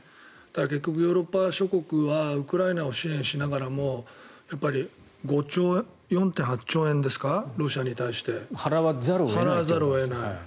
結局、ヨーロッパ諸国はウクライナを支援しながらも４．８兆円ですかロシアに対して払わざるを得ない。